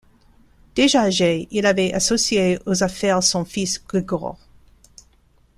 Déjà âgé, il avait associé aux affaires son fils Grigore.